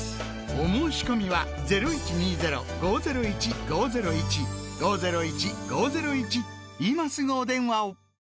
お申込みは今すぐお電話を！